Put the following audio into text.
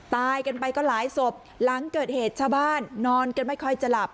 ตายกันไปก็หลายศพหลังเกิดเหตุชาวบ้านนอนกันไม่ค่อยจะหลับ